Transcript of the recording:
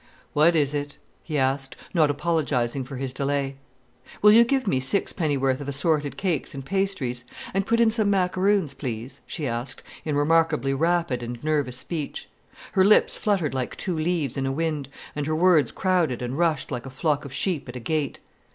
"What is it?" he asked, not apologizing for his delay. "Will you give me six pennyworth of assorted cakes and pastries—and put in some macaroons, please?" she asked, in remarkably rapid and nervous speech. Her lips fluttered like two leaves in a wind, and her words crowded and rushed like a flock of sheep at a gate.